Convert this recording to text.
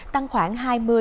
tăng khoảng hai mươi năm mươi